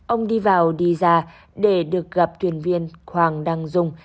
ông đi vào đi ra để được gặp thuyền viên hoàng đăng dung